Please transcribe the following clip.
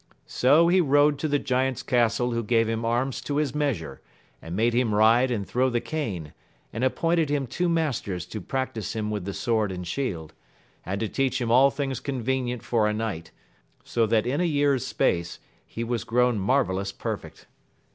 So he rode to the giant's castle who gave him arms to his measure, and made him ride and throw the cane, and appointed him two masters to practise him with the sword and shield, and to teach him all things convenient for a knight, so that in a year's space he was grown marvellous perfect.